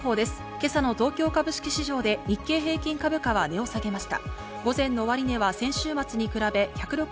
今朝の東京株式市場で日経平均株価は値を下げました。